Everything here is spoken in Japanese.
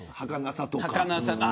はかなさとか。